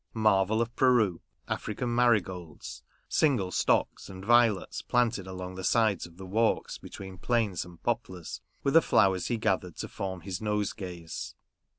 Marvel of Peru, African marigolds, single stocks, and violets planted along the sides of the walks between planes and poplars, were the flowers he gathered to form his nose gays.